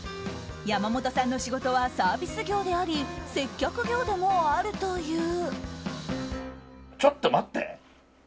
山本さんの仕事はサービス業であり接客業でもあるという。